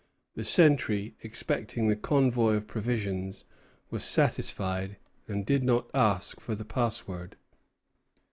The sentry, expecting the convoy of provisions, was satisfied, and did not ask for the password.